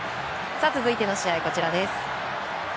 続いての試合は、こちらです。